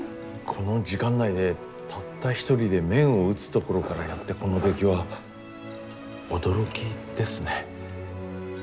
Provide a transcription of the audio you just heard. この時間内でたった一人で麺を打つところからやってこの出来は驚きですね。